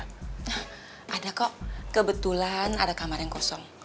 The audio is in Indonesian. nah ada kok kebetulan ada kamar yang kosong